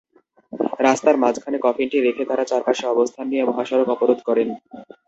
রাস্তার মাঝখানে কফিনটি রেখে তাঁরা চারপাশে অবস্থান নিয়ে মহাসড়ক অবরোধ করেন।